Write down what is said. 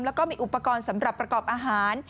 แล้วก็มีอุปกรณ์สำหรับประกอบอาหาร